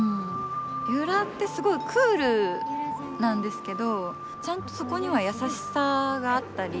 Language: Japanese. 由良ってすごいクールなんですけどちゃんとそこには優しさがあったり